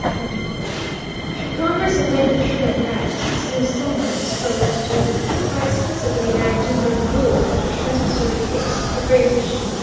Should Congress amend the Sherman Act, as it seems somewhat disposed to do, by explicitly enacting the rule of the Trans Missouri Case, a grave issue would be presented.